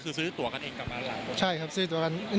คือซื้อตั๋วกันเองกับร้านร้านเช่าครับซื้อการนี้